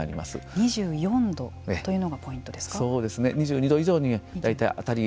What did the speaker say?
２４度というのがポイントですか。